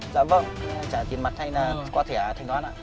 dạ vâng anh trả tiền mặt hay là qua thẻ thánh đoán ạ